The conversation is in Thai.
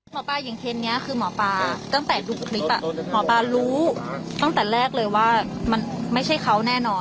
ป้าอย่างเทนนี้คือหมอปลาตั้งแต่ดูคลิปหมอปลารู้ตั้งแต่แรกเลยว่ามันไม่ใช่เขาแน่นอน